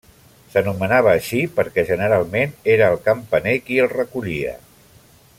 S'anomenava així perquè generalment era el campaner qui el recollia.